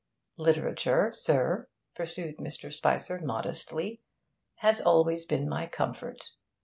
'Literature, sir,' pursued Mr. Spicer modestly, 'has always been my comfort.